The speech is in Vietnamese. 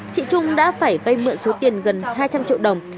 chị trung đã phải vay mượn số tiền gần hai trăm linh triệu đồng